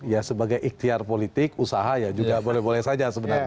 ya sebagai ikhtiar politik usaha ya juga boleh boleh saja sebenarnya